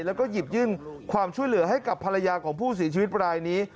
แล้วก็หยิบยื่นความช่วยเหลือให้กับภรรยาของผู้เสียชีวิตรายนี้